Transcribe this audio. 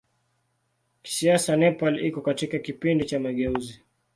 Kisiasa Nepal iko katika kipindi cha mageuzi.